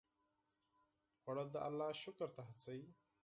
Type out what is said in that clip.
خوړل د الله شکر ته هڅوي